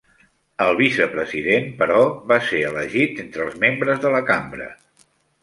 El vicepresident, però, va ser elegit entre els membres de la cambra.